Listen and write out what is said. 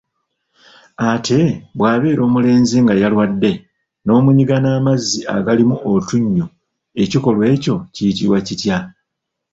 Ate bw'abeera omulenzi nga y'alwadde n'omunyiga n'amazzi agalimu otunnyu ekikolwa ekyo kiyitibwa kitya?